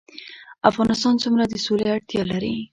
افغانستان څومره د سولې اړتیا لري؟